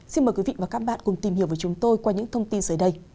xin mời quý vị và các bạn cùng tìm hiểu với chúng tôi qua những thông tin dưới đây